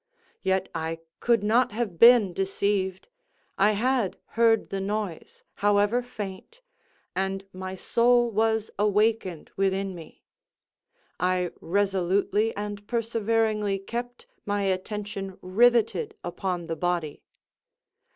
Yet I could not have been deceived. I had heard the noise, however faint, and my soul was awakened within me. I resolutely and perseveringly kept my attention riveted upon the body.